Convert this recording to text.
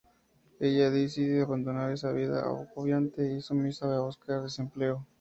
Ella decide abandonar esa vida agobiante y sumisa y va en busca de empleo.